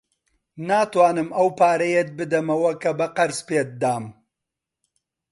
ناتوانم ئەو پارەیەت بدەمەوە کە بە قەرز پێت دام.